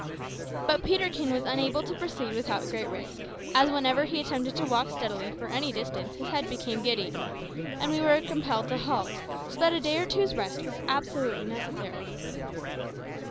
But Peterkin was unable to proceed without great risk, as whenever he attempted to walk steadily for any distance his head became giddy, and we were compelled to halt, so that a day or two's rest was absolutely necessary.